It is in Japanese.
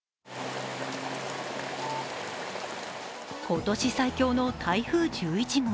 今年最強の台風１１号。